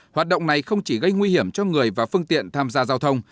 hoạt động này không chỉ gây nguy hiểm cho người và phương tiện tham gia giao thông